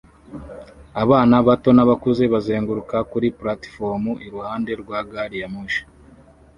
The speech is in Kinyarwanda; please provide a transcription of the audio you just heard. Abana bato nabakuze bazenguruka kuri platifomu iruhande rwa gari ya moshi